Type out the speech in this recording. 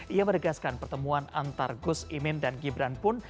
ia menegaskan pertemuan antar gus imin dan gibran pun